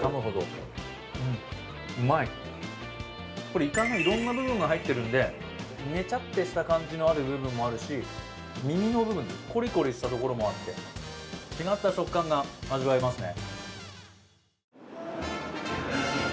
これ、イカのいろんな部分が入ってるんでねちゃっとした感じのある部分もあるし耳の部分、コリコリしたところもあって、違った食感が味わえますね。